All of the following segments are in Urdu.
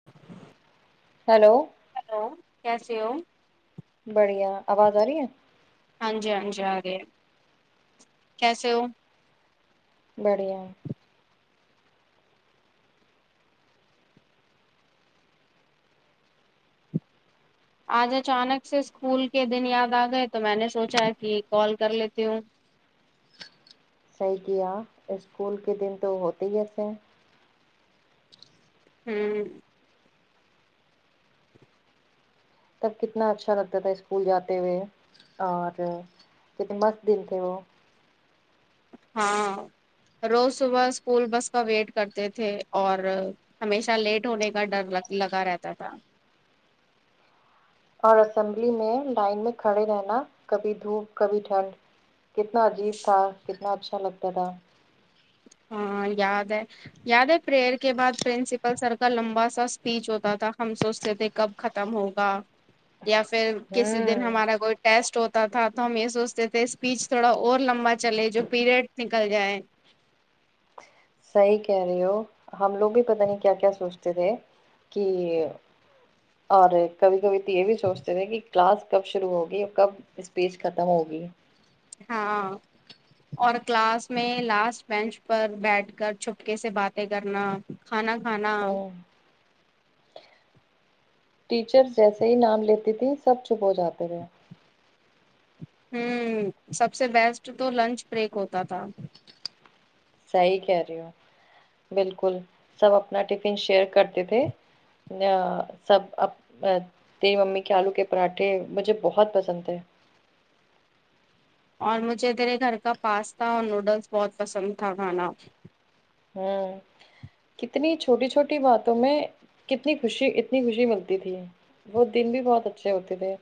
[inaudible] ہیلو ہیلو کیسے ہو بڑھیا آواز آ رہی ہے ہاں جی ہاں جی آ گئے کیسے ہو بڑھیا آج اچانک سے اسکول کے دن یاد آ گئے تو میں نے سوچا کہ کال کر لیتی ہوں صحیح کیا اسکول کے دن تو ہوتے ہی ایسے ہیں ہوں تب کتنا اچھا لگتا تھا اسکول جاتے ہوئے اور کتنے مست دن تھے وہ ہاں روز صبح اسکول بس کا ویٹ کرتے تھے اور ہمیشہ لیٹ ہونے کا ڈر لگ لگا رہتا تھا اور اسمبلی میں لائن میں کھڑے رہنا کبھی دھوپ کبھی ٹھنڈ کتنا عجیب تھا کتنا اچھا لگتا تھا ہاں یاد ہے یاد ہے پرریئر کے بعد پرنسپل سر کا لمبا سا اسپیچ ہوتا تھا ہم سوچتے تھے کب ختم ہوگا یا پھر کس دن ہوں ہمارا ب ٹیسٹ ہوتا تھا تو ہم یہ سوچتے تھے اسپیچ تھوڑا اور لمبا چلے جو پیریڈ نکل جائے صحیح کہہ رہے ہو ہم لوگ بھی پتا نہیں کیا کیا سوچتے تھے کہ اور کبھی کبھی تو یہ بھی سوچتے تھے کہ کلاس کب شروع ہوگی اور کب اسپیچ ختم ہوگی ہاں اور کلاس میں لاسٹ بینچ پر بیٹھ کر چھپکے سے باتیں کرنا کھانا کھانا ہوں ٹیچرس جیسے ہی نام لیتی تھی سب چپ ہو جاتے تھے ہوں سب سے بیسٹ تو لنچ بریک ہوتا تھا صحیح کہہ رہی ہو بالکل سب اپنا ٹفن شیئر کرتے تھے نہ سب اپ ا تیری ممی کے آلو کے پراٹھے مجھے بہت پسند تھے اور مجھے تیرے گھر کا پاستا اور نوڈلس بہت پسند تھا کھانا ہوں کتنی چھوٹی چھوٹی باتوں میں کتنی خوشی اتنی خوشی ملتی تھی وہ دن بھی بہت اچھے ہوتے تھے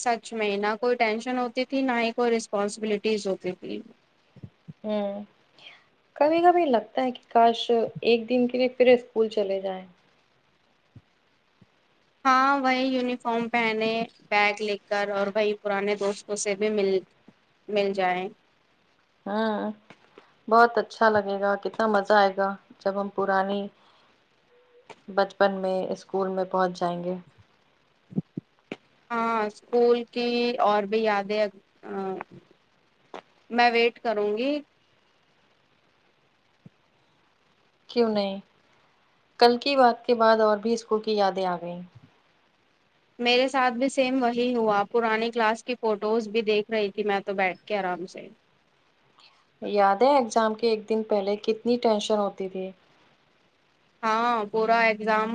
سچ میں نہ کوئی ٹینشن ہوتی تھی نہ ہی کوئی رسپانسبلٹیز ہوتی تھی ہوں کبھی کبھی لگتا ہے کہ کاش ایک دن کے لیے پھر اسکول چلے جائیں ہاں وہی یونیفام پہنے بیگ لے کر اور وہی پرانے دوستوں سے بھی مل مل جائیں آں بہت اچھا لگے گا کتنا مزہ آئے گا جب ہم پرانے بچپن میں اسکول میں پہنچ جائیں گے ہاں اسکول کی اور بھی یادیں آ میں ویٹ کروں گی کیوں نہیں کل کی بات کے بعد اور بھی اسکول کی یادیں آ گئیں میرے ساتھ بھی سیم وہی ہوا پرانی کلاس کی فوٹوز بھی دیکھ رہی تھی میں تو بیٹھ کے آرام سے یاد ہے ایگزام کے ایک دن پہلے کتنی ٹینشن ہوتی تھی ہاں پورا اگزام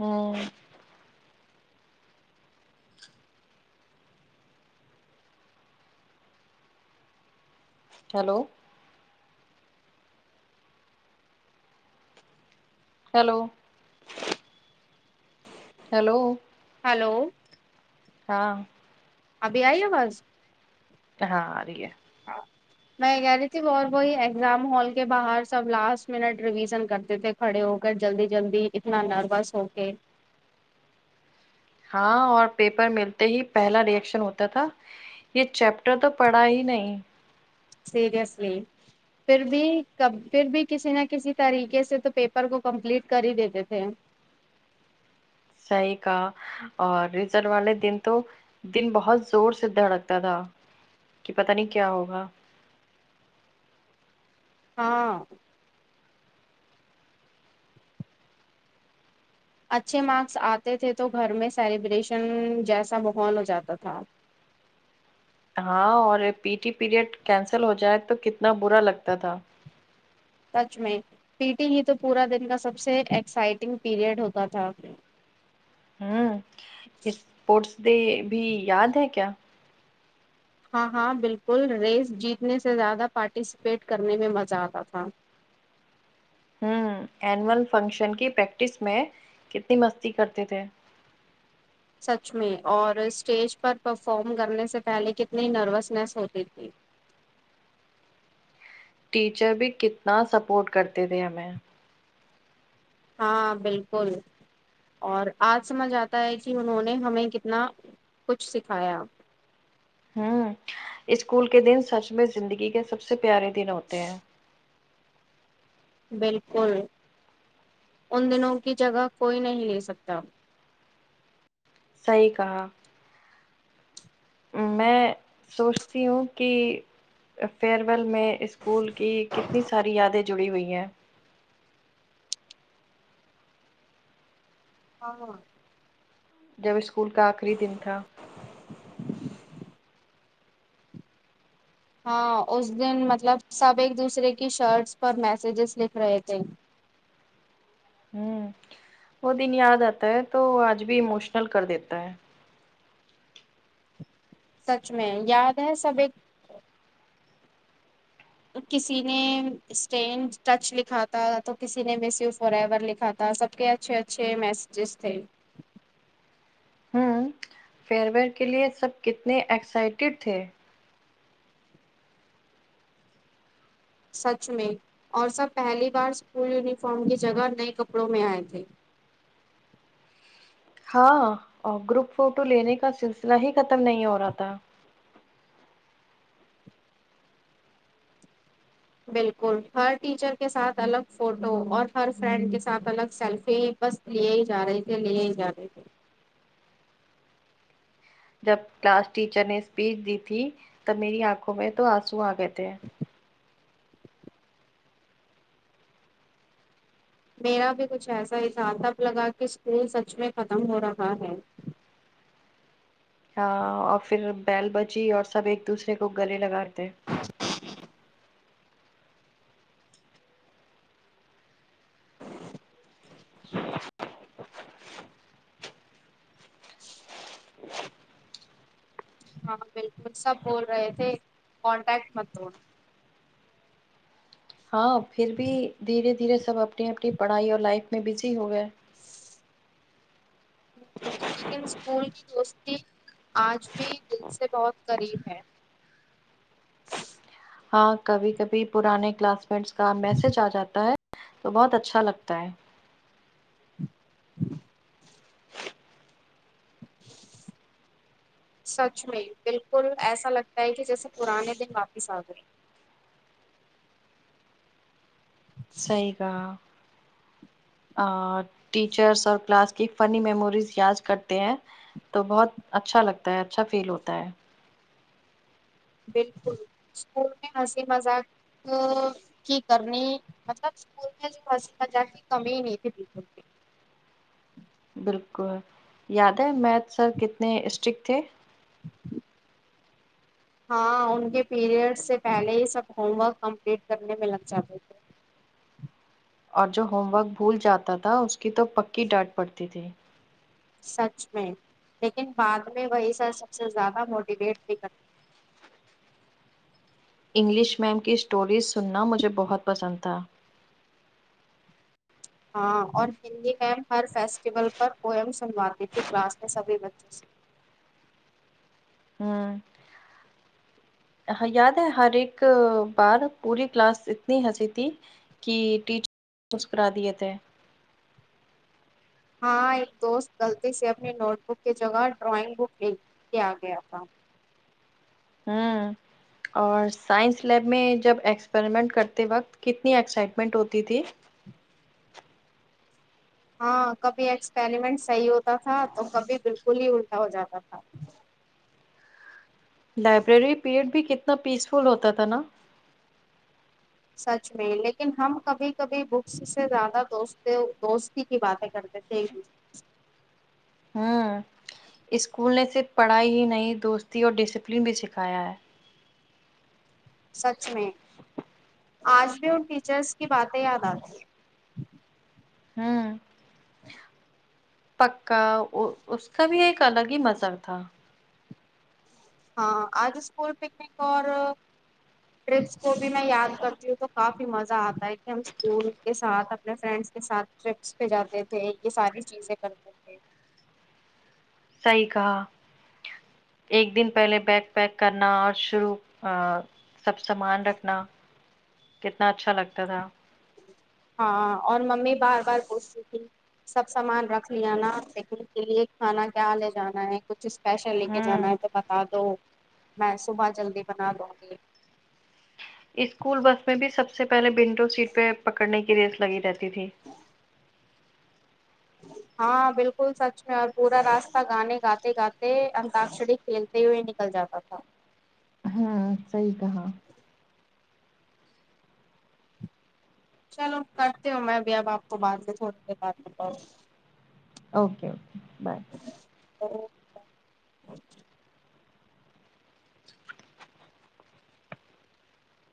ہوں ہیلو ہیلو ہیلو ہلو ہاں ابھی آئی آواز ہاں آ رہی ہے آ میں کہہ رہی تھی اور وہی ایگزام ہال کے باہر سب لاسٹ منٹ ریویژن کرتے تھے کھڑے ہو کر جلدی جلدی اتنا نروس ہو کے ہاں اور پیپر ملتے ہی پہلا ری ایکشن ہوتا تھا یہ چیپٹر تو پڑھا ہی نہیں سیریسلی پھر بھی کب پھر بھی کسی نہ کسی طریقے سے تو پیپر کو کمپلیٹ کر ہی دیتے تھے صحیح کہا اور ریزر والے دن تو دن بہت زور سے دھڑکتا تھا کہ پتا نہیں کیا ہوگا ہاں اچھے مارکس آتے تھے تو گھر میں سیلیبریشن جیسا بحول ہو جاتا تھا ہاں اور پی ٹی پیریڈ کینسل ہو جائے تو کتنا برا لگتا تھا سچ میں پی ٹی ہی تو پورا دن کا سب سے ایکسائٹنگ پیریڈ ہوتا تھا ہوں اسپورٹس ڈے بھی یاد ہے کیا ہاں ہاں بالکل ریس جیتنے سے زیادہ پارٹیسپیٹ کرنے میں مزہ آتا تھا ہوں اینول فنکشن کی پریکٹس میں کتنی مستی کرتے تھے سچ میں اور اسٹیج پر پرفم کرنے سے پہلے کتنی نروسنیس ہوتی تھی ٹیچر بھی کتنا سپورٹ کرتے تھے ہمیں ہاں بالکل اور آج سمجھ آتا ہے کہ انہوں نے ہمیں کتنا کچھ سکھایا ہوں اسکول کے دن سچ میں زندگی کے سب سے پیارے دن ہوتے ہیں بالکل ان دنوں کی جگہ کوئی نہیں لے سکتا صحیح کہا میں سوچتی ہوں کہ فیئرویل میں اسکول کی کتنی ساری یادیں جڑی ہوئی ہیں ہاں ہاں جب اسکول کا آخری دن تھا [unintelligible] ہاں اس دن مطلب سب ایک دوسرے کی شرٹس پر میسجز لکھ رہے تھے ہوں وہ دن یاد آتا ہے تو آج بھی اموشنل کر دیتا ہے سچ میں یاد ہے سب ایک کسی نے اسٹینڈ ٹچ لکھا تھا تو کسی نے مس یو فور ایور لکھا تو سب کے اچھے اچھے میسیجز تھے ہوں فیئر ویئر کے لیے سب کتنے ایکسائٹیڈ تھے سچ میں اور سب پہلی بار اسکول یونیفارم کی جگہ نئے کپڑوں میں آئے تھے ہاں اور گروپ فوٹو لینے کا سلسلہ ہی ختم نہیں ہو رہا تھا بالکل ہر ٹیچر کے ساتھ الگ فوٹو اور ہر فرینڈ کے ساتھ الگ سیلفی بس لیے ہی جا رہے تھے لیے ہی جا رہے تھے جب کلاس ٹیچر نے اسپیچ دی تھی تب میری آنکھوں میں تو آنسو آ گئے تھے میرا بھی کچھ ایسا ہی تھا تب لگا کہ اسکول سچ میں ختم ہو رہا ہے ہاں اور پھر بیل بجی اور سب ایک دوسرے کو گلے لگاتے [unintelligible] ہاں بالکل سب بول رہے تھے کانٹیکٹ مت توڑ ہاں پھر بھی دھیرے دھیرے سب اپنی اپنی پڑھائی اور لائف میں بزی ہو گئے لیکن اسکول کی دوستی آج بھی دل سے بہت قریب ہے ہاں کبھی کبھی پرانے کلاس میٹس کا میسج آ جاتا ہے تو بہت اچھا لگتا ہے [unintelligible] [inaudible] سچ میں بالکل ایسا لگتا ہے کہ جیسے پرانے دن واپس آگئے صحیح کہا آ ٹیچرس اور کلاس کی فنی میموریز یاد کرتے ہیں تو بہت اچھا لگتا ہے اچھا فیل ہوتا ہے بالکل اسکول میں ہنسی مذاق کی کرنی مطلب اسکول میں جو مستی مذاق کی کمی ہی نہیں تھی ٹیچر کی بالکل یاد ہے میتھ سر کتنے اسٹرک تھے [inaudible] ہاں ان کے پیریڈ سے پہلے ہی سب ہوم ورک کمپلیٹ کرنے میں لگ جاتے تھے اور جو ہوم ورک بھول جاتا تھا اس کی تو پکی ڈانٹ پڑتی تھی سچ میں لیکن بعد میں وہی سر سب سے زیادہ موٹیویٹ بھی کر انگلش میم کی اسٹوریز سننا مجھے بہت پسند تھا ہاں اور ہندی میم ہر فیسٹیول پر پویم سنواتی تھی کلاس میں سب ہی بچوں سے ہوں ہاں یاد ہے ہر ایک بار پوری کلاس اتنی ہنسی تھی کہ ٹیچر مسکرا دیے تھے ہاں ایک دوست غلطی سے اپنی نوٹ بک کی جگہ ڈرائنگ بک لے کے آ گیا تھا ہوں اور سائنس لیب میں جب ایکسپریمنٹ کرتے وقت کتنی ایکسائٹمنٹ ہوتی تھی ہاں کبھی ایکسپریمنٹ صحیح ہوتا تھا تو کبھی بالکل ہی الٹا ہو جاتا تھا لائبریری پیریڈ بھی کتنا پیسفل ہوتا تھا نا سچ میں لیکن ہم کبھی کبھی بکس سے زیادہ دو دوستی کی باتیں کرتے [unintelligible] ہاں اسکول نے صرف پڑھائی ہی نہیں دوستی اور ڈسپلن بھی سکھایا ہے سچ میں آج بھی ان ٹیچرس کی باتیں یاد آتی ہیں ہوں [inaudible] پکا اس اس کا بھی ایک الگ ہی مزہ تھا ہاں آج اسکول پکنک اور ٹرپس کو بھی میں یاد کرتی ہوں تو کافی مزہ آتا ہے کہ ہم اسکول کے ساتھ اپنے فرینڈس کے ساتھ ٹرپس پہ جاتے تھے یہ ساری چیزیں کرتے تھے صحیح کہا ایک دن پہلے بیگ پیک کرنا اور شروع ا سب سامان رکھنا کتنا اچھا لگتا تھا ہاں اور ممی بار بار پوچھتی تھی سب سامان رکھ لیا نا ٹفن کے لیے کھانا کیا لے جانا ہے کچھ کچھ اسپیشل لے کے ہوں جانا ہے تو بتا دو میں صبح جلدی بنا دوں گی اسکول بس میں بھی سب سے پہلے ونڈو سیٹ پہ پکڑنے کی ریس لگی رہتی تھی ہاں بالکل سچ میں اور پورا راستہ گانے گاتے گاتے انتاکشری کھیلتے ہوئے نکل جاتا تھا ہاں صحیح کہا چلو کرتی ہو میں بھی اب آپ کو بعد میں تھوڑی دیر بعد میں call okay okay bye hello